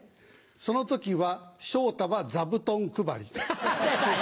「その時は昇太は座布団配り」。